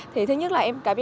thì thứ nhất là em cảm xúc